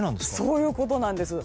そういうことなんです。